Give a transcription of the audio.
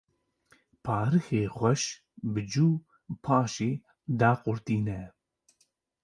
pariyê xweş bicû paşê daqurtîne